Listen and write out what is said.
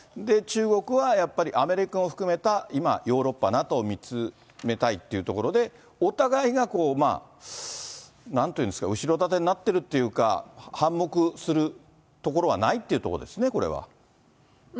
中国はやっぱりアメリカを含めた今、ヨーロッパ、ＮＡＴＯを見つめたいというところで、お互いがなんと言うんですか、後ろ盾になっているというか、反目するところはないっていうところですね、これは。